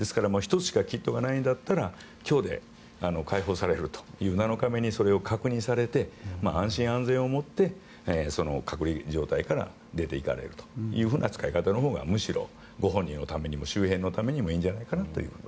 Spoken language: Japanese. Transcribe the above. １つしかキットがないんだったら今日で解放されるという７日目にそれを確認されて安心安全をもって隔離状態から出ていかれるという使い方のほうがご本人のためにも周辺のためにもいいんじゃないかなと。